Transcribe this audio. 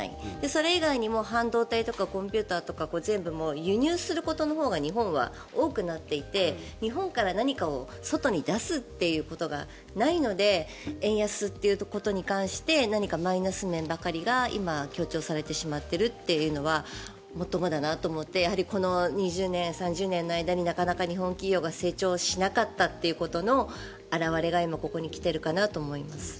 それ以外にも半導体とかコンピューターとか全部、輸入することのほうが日本は多くなっていて日本から何かを外に出すっていうことがないので円安ということに関して何かマイナス面ばかりが今、強調されてしまっているというのはもっともだなと思ってこの２０年、３０年の間になかなか日本企業が成長しなかったことの表れが今、ここに来ているかなと思います。